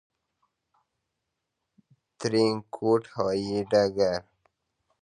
ترينکوټ هوايي ډګر دى